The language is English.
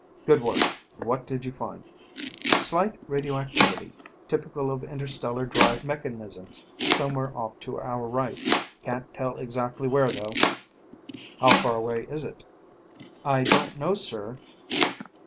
"Good work, what did you find?" "Slight radioactivity, typical of interstellar drive mechanisms, somewhere off to our right. Can't tell exactly where, though." "How far away is it?" "I don't know, sir."